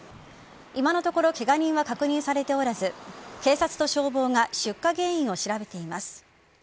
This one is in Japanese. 今のところケガ人は確認されておらず警察と消防が出火原因を調べています。